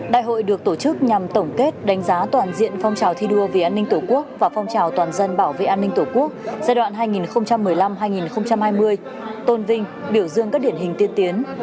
đại hội được tổ chức nhằm tổng kết đánh giá toàn diện phong trào thi đua vì an ninh tổ quốc và phong trào toàn dân bảo vệ an ninh tổ quốc giai đoạn hai nghìn một mươi năm hai nghìn hai mươi tôn vinh biểu dương các điển hình tiên tiến